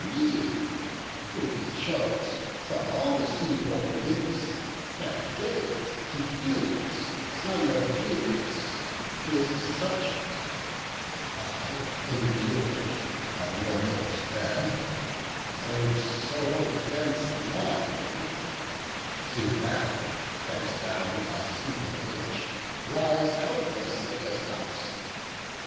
Me, whom he chose from all the sea born nymphs, And gave to Peleus, son of Æacus, His subject; I endur'd a mortal's bed, Though sore against my will; he now, bent down By feeble age, lies helpless in his house.